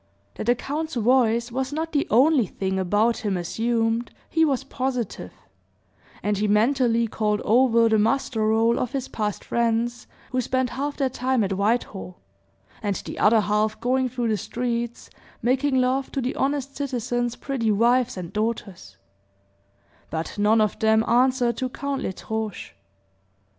That the count's voice was not the only thing about him assumed, he was positive; and he mentally called over the muster roll of his past friends, who spent half their time at Whitehall, and the other half going through the streets, making love to the honest citizens' pretty wives and daughters; but none of them answered to Count L'Estrange.